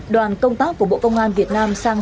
đoàn công tác của bộ công an việt nam sang